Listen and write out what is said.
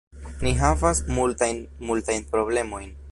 Ni havas multajn, multajn problemojn.